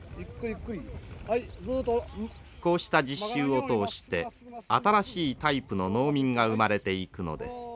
こうした実習を通して新しいタイプの農民が生まれていくのです。